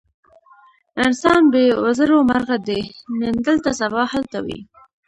انسان بې وزرو مرغه دی، نن دلته سبا هلته وي.